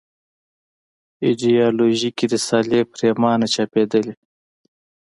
ایدیالوژیکې رسالې پرېمانه چاپېدلې.